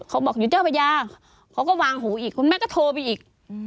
เขาบอกอยู่เจ้าพระยาเขาก็วางหูอีกคุณแม่ก็โทรไปอีก